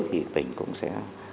thì tỉnh cũng sẽ